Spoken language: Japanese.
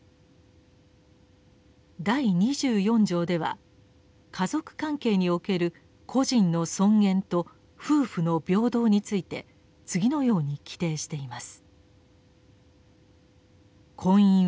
第二十四条では「家族関係における個人の尊厳と夫婦の平等」について次のように規定しています。